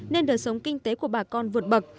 nên đời sống kinh tế của bà con vượt bậc